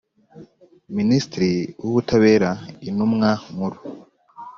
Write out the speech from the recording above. Minisitiri w Ubutabera Intumwa Nkuru